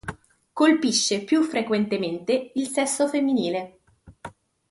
Colpisce più frequentemente il sesso femminile.